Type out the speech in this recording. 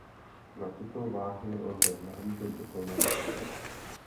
Na tyto váhy lze nahlížet jako na vektor.